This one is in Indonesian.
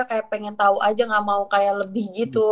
kayak pengen tau aja nggak mau kayak lebih gitu